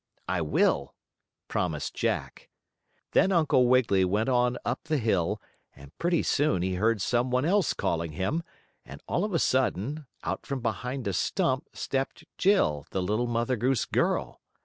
"I will," promised Jack. Then Uncle Wiggily went on up the hill, and pretty soon he heard some one else calling him, and, all of a sudden, out from behind a stump stepped Jill, the little Mother Goose girl.